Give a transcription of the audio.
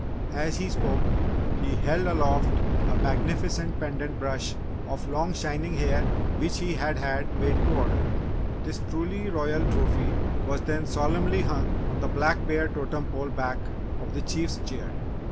As he spoke, he held aloft a magnificent pendant brush of long shining hair which he had had made to order. This truly royal trophy was then solemnly hung on the Black Bear totem pole back of the Chief's chair.